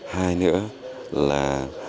hai nữa là